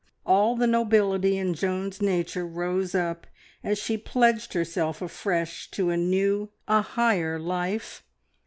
All the nobility in Joan's nature rose up as she pledged herself afresh to a new a higher life!